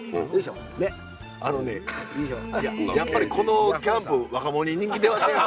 やっぱりこのキャンプ若者に人気出ませんわ。